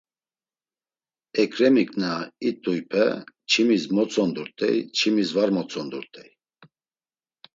Ekremik na it̆uype çimis motzondurt̆ey, çimis var motzondurt̆ey.